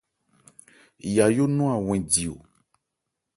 Yayó nɔn a wɛn di o.